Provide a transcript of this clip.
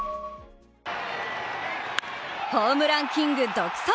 ホームランキング独走！